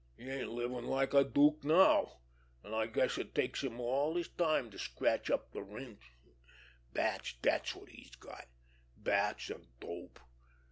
He ain't livin' like a dook now, an' I guess it takes him all his time to scratch up his rent. Bats, dat's wot he's got—bats an' dope.